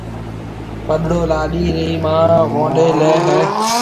پڏڙو لاڏِي رِي مان وئونڏَي ليَ ھيََََ